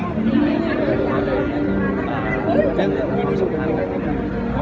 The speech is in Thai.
ผมก็ไม่รู้สึกว่านั้น